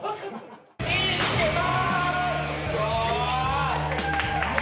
見ぃつけた！